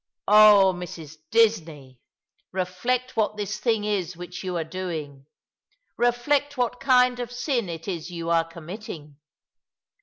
Oh, Mrs. Disney, reflect what this thing is which you are doing ; reflect_what kind of sin it is you are committing.